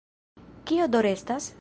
Kio do restas?